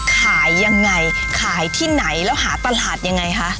ขายยังไงขายที่ไหนแล้วหาตลาดยังไงคะ